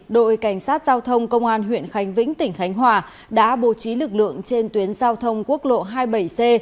đội cảnh sát giao thông công an huyện khánh vĩnh tỉnh khánh hòa đã bố trí lực lượng trên tuyến giao thông quốc lộ hai mươi bảy c